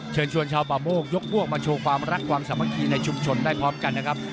เชิญชวนชาวป่าโมกยกพวกมาโชว์ความรักความสามัคคีในชุมชนได้พร้อมกันนะครับ